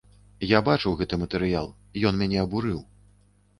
Я бачыў гэты матэрыял, ён мяне абурыў.